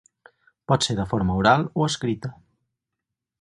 Pot ser de forma oral o escrita.